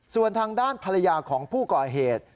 ส่วนทางด้านภรรยาของผู้ก่อเหตุ